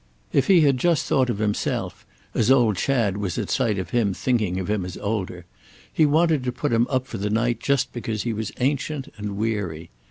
If he had just thought of himself as old Chad was at sight of him thinking of him as older: he wanted to put him up for the night just because he was ancient and weary.